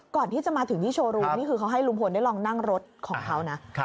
ก่อนที่จะมาถึงที่โชว์รูมนี่คือเขาให้ลุงพลได้ลองนั่งรถของเขานะ